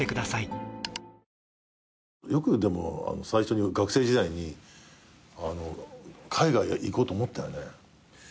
よく学生時代に海外行こうと思ったよね。